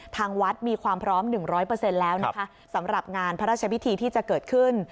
ทางวัดมีความพร้อม๑๐๐แล้วนะคะสำหรับงานพระราชพิธีที่จะเกิดขึ้น